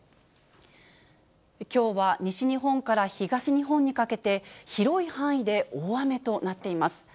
きょうは西日本から東日本にかけて、広い範囲で大雨となっています。